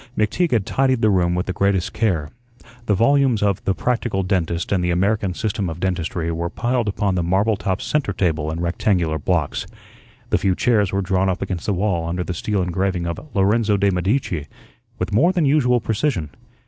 McTeague had tidied the room with the greatest care. The volumes of the "Practical Dentist" and the "American System of Dentistry" were piled upon the marble top centre table in rectangular blocks. The few chairs were drawn up against the wall under the steel engraving of "Lorenzo de' Medici" with more than usual precision.